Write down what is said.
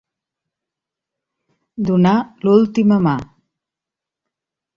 Donar l'última mà.